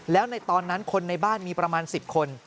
แล้วในตอนนั้นคนในบ้านมีประมาณ๑๐คน